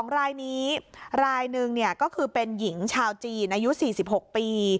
๒รายนี้รายหนึ่งก็คือเป็นหญิงชาวจีนอายุ๔๖ปี